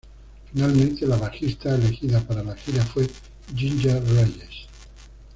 Finalmente la bajista elegida para la gira fue Ginger Reyes.